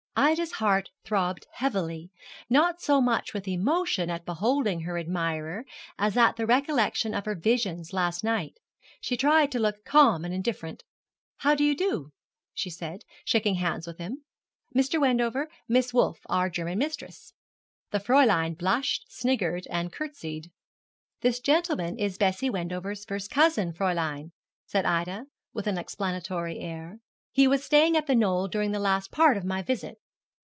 Ida's heart throbbed heavily, not so much with emotion at beholding her admirer as at the recollection of her visions last night. She tried to look calm and indifferent. 'How do you do?' she said, shaking hands with him. 'Mr. Wendover Miss Wolf, our German mistress.' The Fräulein blushed, sniggered, and curtseyed. 'This gentleman is Bessie Wendover's first cousin, Fräulein,' said Ida, with an explanatory air. 'He was staying at The Knoll during the last part of my visit.'